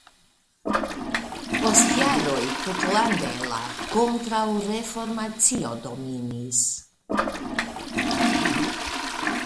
Post jaroj tutlande la kontraŭreformacio dominis.